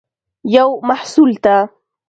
یو محصول ته